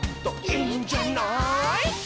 「いいんじゃない」